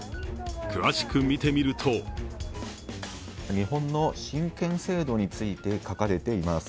詳しく見てみると日本の親権制度について書かれています。